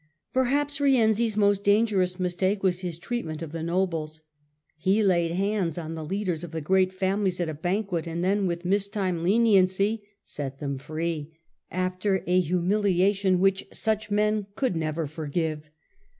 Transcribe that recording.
Perhaps Rienzi's most dangerous mistake was his treatment of the nobles. He laid hands on the leaders of the great families at a banquet, and then, with mistimed leniency set them free, after a humilia tion which such men could never forgive.